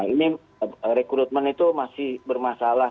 ini rekrutmen itu masih bermasalah